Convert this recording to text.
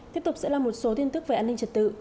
tiếp tục sẽ là một số tin tức về an ninh trật tự